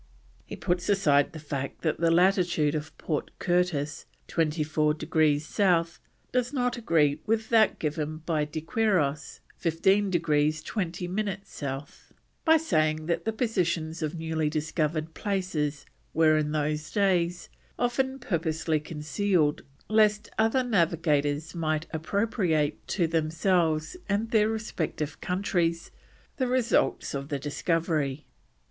He puts aside the fact that the latitude of Port Curtis, 24 degrees South, does not agree with that given by De Quiros, 15 degrees 20 minutes South, by saying that the positions of newly discovered places were, in those days, "often purposely concealed lest other navigators might appropriate to themselves and their respective countries, the results of the discovery."